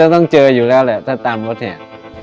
ก็ต้องเจออยู่แล้วแต่ตามรถแหล่